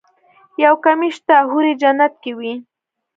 يو کمی شته حورې جنت کې وي.